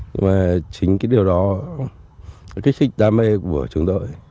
nhưng mà chính cái điều đó là kích thích đám mây của trường đội